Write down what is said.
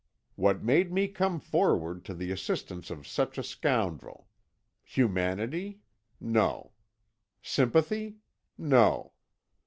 What made me come forward to the assistance of such a scoundrel? Humanity? No. Sympathy? No.